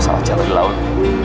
kalau jalan di laut